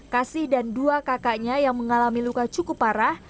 kasih dan dua kakaknya yang mengalami luka cukup parah